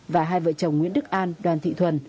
và hai vợ chồng nguyễn đức an đoàn thị thuần